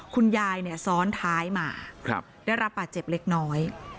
คุณยายซ้อนท้ายมาได้รับบาดเจ็บเล็กน้อย